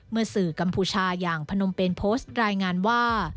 เมื่อสื่อกัมพูชาอย่างพนมเป็นโพสต์รายงานว่า